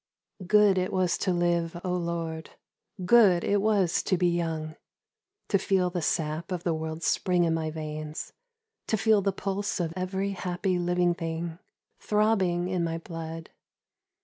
GOOD it was to live, oh Lord, Good it was to be young, To feel the sap of the world's spring in my veins, To feel the pulse of every happy, living thing Throbbing in my blood.